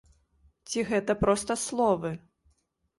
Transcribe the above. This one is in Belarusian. Ці гэта проста словы?